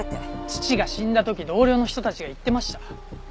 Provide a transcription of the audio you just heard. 父が死んだ時同僚の人たちが言ってました。